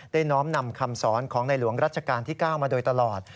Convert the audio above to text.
น้อมนำคำสอนของในหลวงรัชกาลที่๙มาโดยตลอด